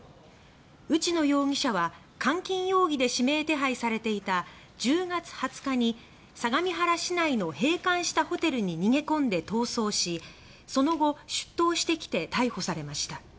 内野容疑者は監禁容疑で指名手配されていた１０月２０日に相模原市内の閉館したホテルに逃げ込んで逃走しその後、出頭してきて逮捕されました。